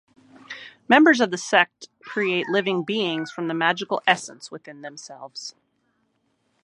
Members of the sect create living beings from the magical essence within themselves.